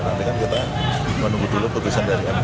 nantikan kita menunggu dulu keputusan dari anp